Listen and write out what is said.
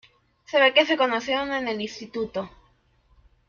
Se ve que se conocieron en el instituto.